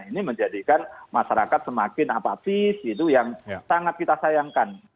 ini menjadikan masyarakat semakin apatis gitu yang sangat kita sayangkan